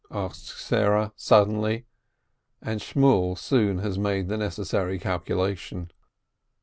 asks Sarah, suddenly, and Shmuel has soon made the necessary calculation.